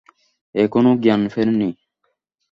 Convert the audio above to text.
এখনো জ্ঞান ফেরেনি।